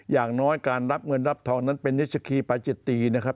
อย่างน้อยการรับเงินรับทองนั้นเป็นนิสคีปาจิตีนะครับ